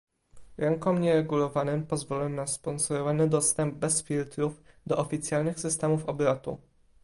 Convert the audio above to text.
Rynkom nieregulowanym pozwolono na sponsorowany dostęp bez filtrów do oficjalnych systemów obrotu